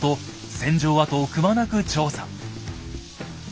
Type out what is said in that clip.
戦場跡をくまなく調査。